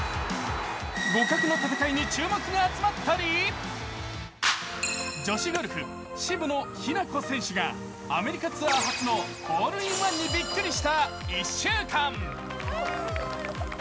互角の戦いに注目が集まったり、女子ゴルフ、渋野日向子選手がアメリカツアー初のホールインワンにびっくりした１週間。